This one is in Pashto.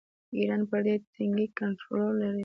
ایران پر دې تنګي کنټرول لري.